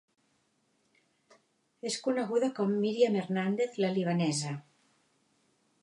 És coneguda com Myriam Hernandez la libanesa .